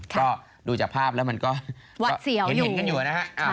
ก็ดูจากภาพแล้วมันก็เห็นกันอยู่นะครับ